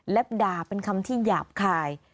และด่าเป็นคำที่หยาบคาย